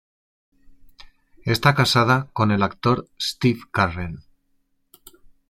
Está casada con el actor Steve Carell.